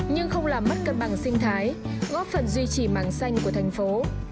nhưng không làm mất cân bằng sinh thái góp phần duy trì mảng xanh của thành phố